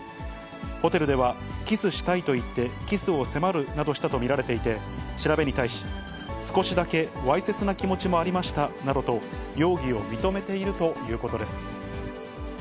ホテルでは、キスしたいと言って、キスを迫るなどしたと見られていて、調べに対し、少しだけわいせつな気持ちもありましたなどと容疑を認めているということです。